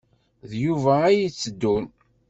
D Yuba ay d-yetteddun.